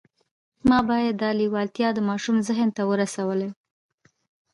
ما باید دا لېوالتیا د ماشوم ذهن ته ورسولای